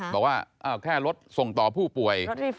บอกว่าแค่รถส่งต่อผู้ป่วย